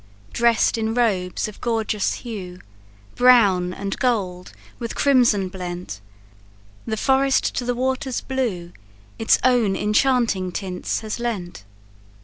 Dress'd in robes of gorgeous hue Brown and gold with crimson blent, The forest to the waters blue Its own enchanting tints has lent.